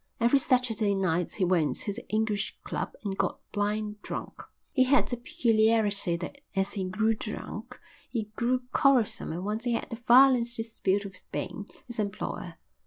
Every Saturday night he went to the English Club and got blind drunk. He had the peculiarity that as he grew drunk he grew quarrelsome and once he had a violent dispute with Bain, his employer.